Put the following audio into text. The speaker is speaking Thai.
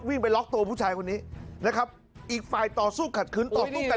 ไปล็อกตัวผู้ชายคนนี้นะครับอีกฝ่ายต่อสู้ขัดขืนต่อสู้กัน